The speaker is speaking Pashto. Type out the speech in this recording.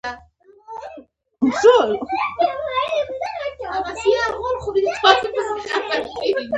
فرض کړئ چې د هرې جوړې بوټانو بیه پنځوس افغانۍ ده